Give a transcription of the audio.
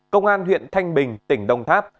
công an huyện thanh bình tỉnh đồng tháp